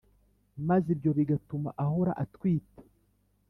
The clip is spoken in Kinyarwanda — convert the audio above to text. maze ibyo bigatuma ahora atwite